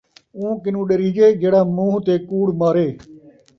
اوں کنوں ݙریجے جیڑھا مونہہ تے کوڑ مارے